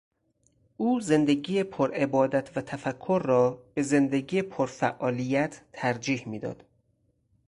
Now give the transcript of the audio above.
او زندگی پر عبادت و تفکر را به زندگی پرفعالیت ترجیح میداد.